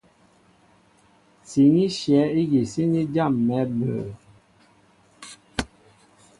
Sǐn í shyɛ̌ ígi síní jâm̀ɛ̌ mbə̌.